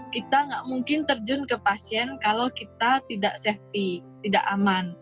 kita nggak mungkin terjun ke pasien kalau kita tidak safety tidak aman